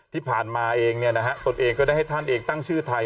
ที่ผ่านมาเองตนเองก็ได้ให้ท่านเองตั้งชื่อไทย